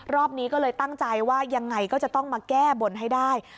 รอบนี้ก็เลยตั้งใจว่ายังไงก็จะต้องมาแก้บนให้ได้